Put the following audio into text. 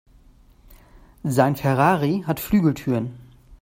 Sein Ferrari hat Flügeltüren.